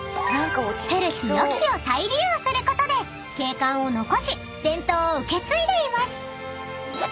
［古きよきを再利用することで景観を残し伝統を受け継いでいます］